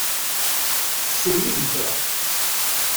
Sew yid-i kra.